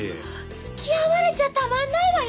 つきあわれちゃたまんないわよ